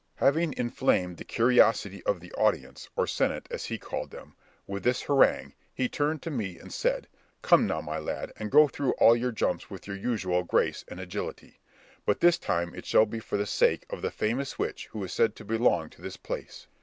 Having inflamed the curiosity of the audience, or senate, as he called them, with this harangue, he turned to me and said, "Come now, my lad, and go through all your jumps with your usual grace and agility; but this time it shall be for the sake of the famous witch who is said to belong to this place."